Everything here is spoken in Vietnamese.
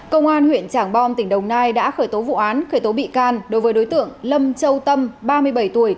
công an huyện trảng bom tỉnh đồng nai đã khởi tố vụ án khởi tố bị can đối với đối tượng lâm châu tâm ba mươi bảy tuổi